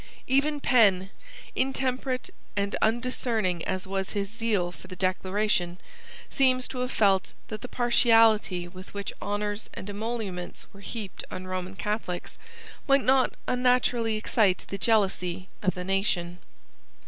Even Penn, intemperate and undiscerning as was his zeal for the Declaration, seems to have felt that the partiality with which honours and emoluments were heaped on Roman Catholics, might not unnaturally excite the jealousy of the nation.